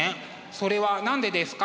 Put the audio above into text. それは何でですか？